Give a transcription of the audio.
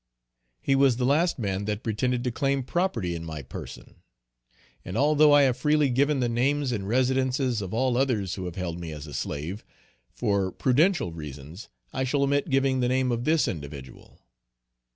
He was the last man that pretended to claim property in my person; and although I have freely given the names and residences of all others who have held me as a slave, for prudential reasons I shall omit giving the name of this individual.